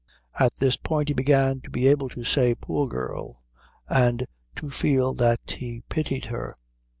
At this point he began to be able to say "Poor girl," and to feel that he pitied her.